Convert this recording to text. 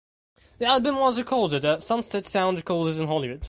The album was recorded at Sunset Sound Recorders in Hollywood.